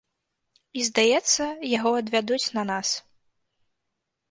І здаецца, яго адвядуць на нас.